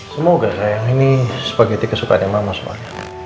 semoga sayang ini spageti kesukaan yang mama sukanya